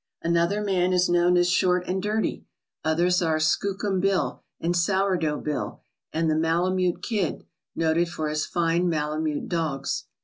Another man is known as "Short and Dirty," others are "Skookum Bill," and "Sourdough Bill," and "the Mala mute Kid," noted for his fine malamute dogs.